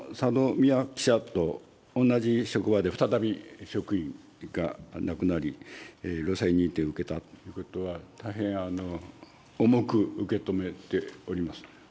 未和記者と同じ職場で再び職員が亡くなり、労災認定を受けたということは、大変重く受け止めております。